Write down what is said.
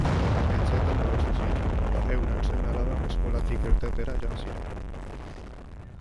Etxeetan babestu ziren eta euren seme-alabak eskolatik irtetera joan ziren.